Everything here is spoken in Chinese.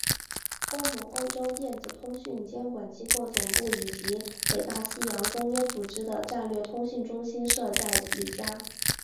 欧盟欧洲电子通讯监管机构总部以及北大西洋公约组织的战略通讯中心设在里加。